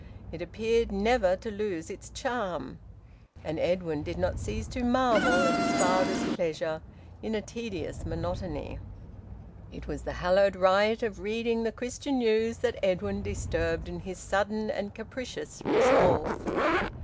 It appeared never to lose its charm. And Edwin did not cease to marvel at his father's pleasure in a tedious monotony. It was the hallowed rite of reading "The Christian News" that Edwin disturbed in his sudden and capricious resolve.